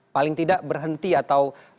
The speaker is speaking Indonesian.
paling tidak berhenti atau